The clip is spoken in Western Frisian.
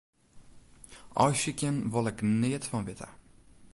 Aaisykjen wol ik neat fan witte.